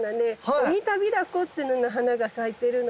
オニタビラコってのの花が咲いているの。